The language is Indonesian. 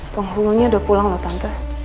penghulunya udah pulang loh tante